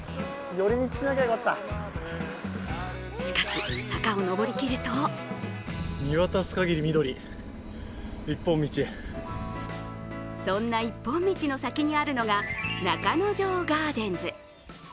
しかし、坂を登り切るとそんな一本道の先にあるのが中之条ガーデンズ。